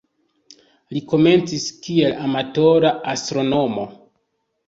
Li komencis kiel amatora astronomo.